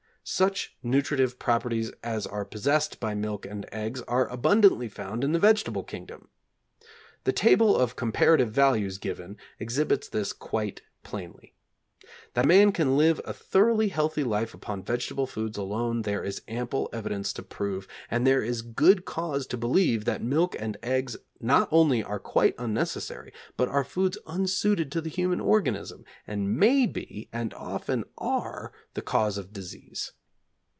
Such nutritive properties as are possessed by milk and eggs are abundantly found in the vegetable kingdom. The table of comparative values given, exhibits this quite plainly. That man can live a thoroughly healthy life upon vegetable foods alone there is ample evidence to prove, and there is good cause to believe that milk and eggs not only are quite unnecessary, but are foods unsuited to the human organism, and may be, and often are, the cause of disease.